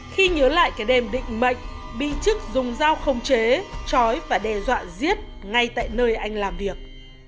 khi nhớ lại cái đêm định mệnh bị trức dùng dao không chế chói và đe dọa giết ngay tại nơi anh làm việc